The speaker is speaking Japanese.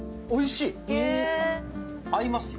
合いますよ。